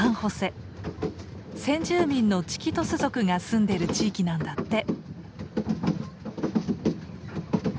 先住民のチキトス族が住んでる地域なんだって。